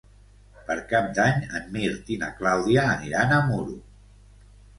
Per Cap d'Any en Mirt i na Clàudia aniran a Muro.